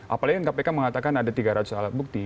apalagi kpk mengatakan ada tiga ratus alat bukti